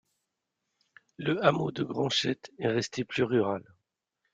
Le hameau de Granchette est resté plus rural.